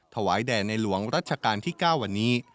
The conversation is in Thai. ถวายแด่ในหลวงรัชกาลที่๙วันนี้